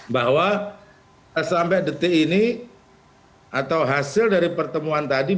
bahwa sampai detik ini atau hasil dari pertemuan tadi